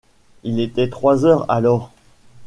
Il était trois heures alors.